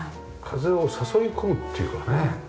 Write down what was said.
風を誘い込むっていうかね。